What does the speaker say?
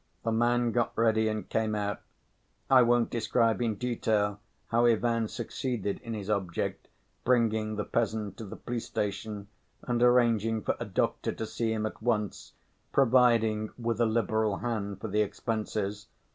The man got ready and came out. I won't describe in detail how Ivan succeeded in his object, bringing the peasant to the police‐station and arranging for a doctor to see him at once, providing with a liberal hand for the expenses.